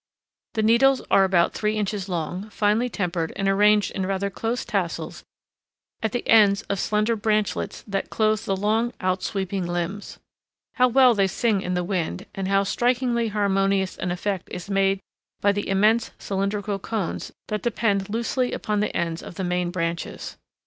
The needles are about three inches long, finely tempered and arranged in rather close tassels at the ends of slender branchlets that clothe the long, outsweeping limbs. How well they sing in the wind, and how strikingly harmonious an effect is made by the immense cylindrical cones that depend loosely from the ends of the main branches!